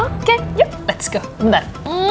oke yuk let's go bentar